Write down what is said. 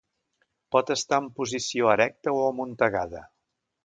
Pot estar en posició erecta o amuntegada.